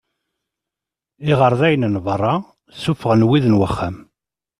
Iɣerdayen n berra ssuffɣen wid n uxxam.